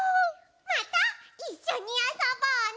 またいっしょにあそぼうね！